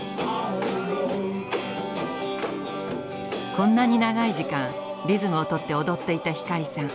こんなに長い時間リズムをとって踊っていた光さん。